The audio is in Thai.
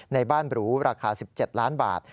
ในบ้านหรูราคา๑๗ล้านบาท